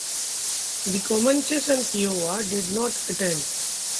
The Comanches and Kiowa did not attend.